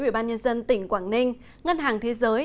ubnd tỉnh quảng ninh ngân hàng thế giới